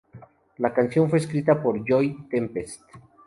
La canción fue escrita por Joey Tempest.